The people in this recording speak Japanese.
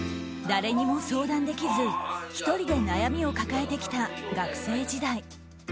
誰にも相談できず１人で悩みを抱えてきた学生時代。